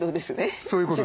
そういうことです。